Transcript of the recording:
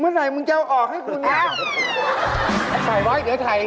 เมื่อไหนมึงจะเอาออกให้กูเนี่ย